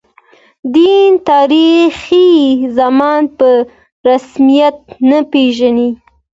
دین، تاریخي زمان په رسمیت نه پېژني.